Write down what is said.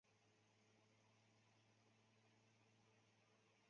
乾隆六十年。